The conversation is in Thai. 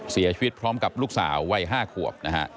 เสียชีวิตพร้อมกับลูกสาววัย๕ขวบนะฮะ